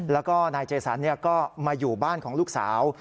แล้วก็นายเจสันก็มาอยู่บ้านของลูกสาว